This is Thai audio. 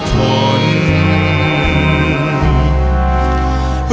รักทั้งหมุนทั้งหมุน